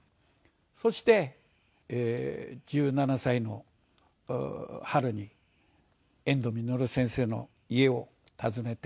そして１７歳の春に遠藤実先生の家を訪ねて。